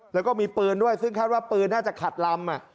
แล้วก็มีปืนด้วยซึ่งคาดว่าปืนน่าจะขัดลำ